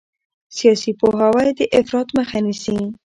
سیاسي پوهاوی د افراط مخه نیسي